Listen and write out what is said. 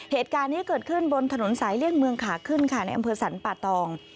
เหตุการณ์นี้เกิดขึ้นบนถนนสายเลี่ยงเมืองขาขึ้นค่ะในอำเภอสรรป่าตอง